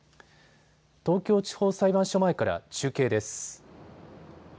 東京地方裁判所前から中継です。